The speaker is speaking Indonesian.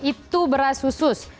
itu beras khusus